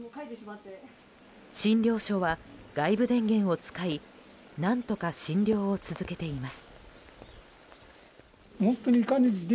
診療所は外部電源を使い何とか診療を続けています。